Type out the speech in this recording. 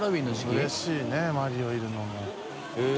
うれしいねマリオいるのもへぇ。